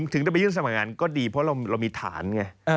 ถึงจะไปยื่นสมัครงานก็ดีเพราะเรามีฐานไง